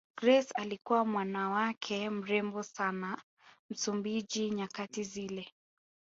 Grace alikuwa mwanawake mrembo sana Msumbiji nyakati zile